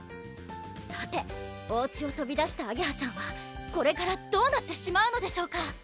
さておうちをとび出したあげはちゃんはこれからどうなってしまうのでしょうか？